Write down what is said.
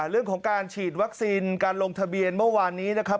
เรื่องของการฉีดวัคซีนการลงทะเบียนเมื่อวานนี้นะครับ